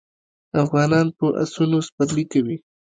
افغانان په اسونو سپرلي کوي.